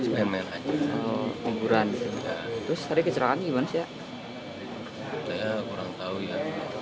terus tadi kecelakaan gimana sih ya